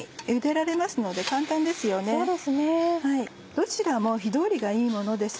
どちらも火通りがいいものです。